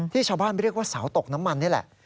ที่ชาวบ้านเขียนที่จะเรียกว่าสตกน้ำมันนี่แหละ